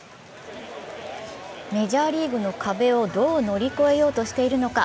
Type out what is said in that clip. メジャーリーグの壁をどう乗り越えようとしているのか。